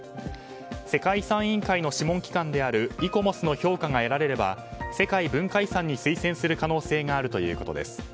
世界遺産委員会の諮問機関であるイコモスの評価が得られれば世界文化遺産に推薦する可能性があるということです。